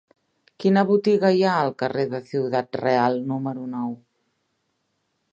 Quina botiga hi ha al carrer de Ciudad Real número nou?